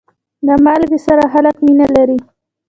د مالګې سره خلک مینه لري.